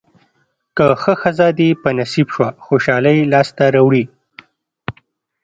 که ښه ښځه دې په نصیب شوه خوشالۍ لاسته راوړې.